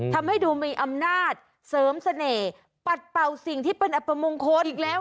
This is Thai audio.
ทำให้ดูมีอำนาจเสริมเสน่ห์ปัดเป่าสิ่งที่เป็นอัปมงคลอีกแล้ว